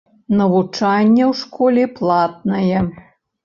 Навучанне ў школе платнае.